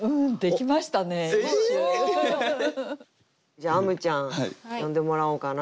じゃああむちゃん詠んでもらおうかな。